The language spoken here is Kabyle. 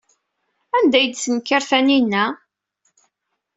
Anda ay d-tenker Taninna?